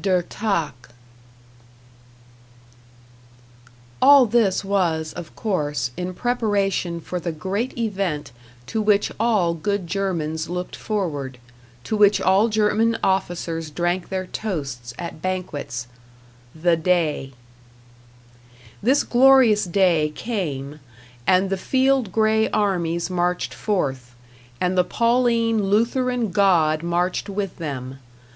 #Der Tag.# All this was, of course, in preparation for the great event to which all good Germans looked forward to which all German officers drank their toasts at banquets the Day. This glorious day came, and the field gray armies marched forth, and the Pauline Lutheran God marched with them.